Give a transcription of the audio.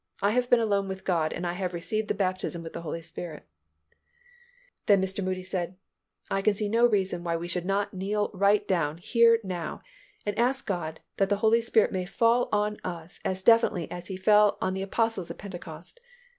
I have been alone with God and I have received the baptism with the Holy Spirit." Then Mr. Moody said, "I can see no reason why we should not kneel right down here now and ask God that the Holy Spirit may fall on us as definitely as He fell on the Apostles at Pentecost.